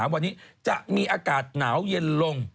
วันนี้จะมีอากาศหนาวเย็นลง